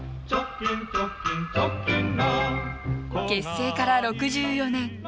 結成から６４年。